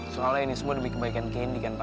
soalnya ini semua demi kebaikan candy kan pak